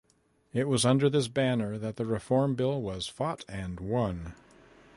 It was under this banner that the Reform Bill was fought and won.